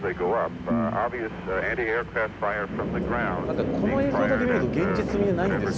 何かこの映像だけ見ると現実味がないんですよね。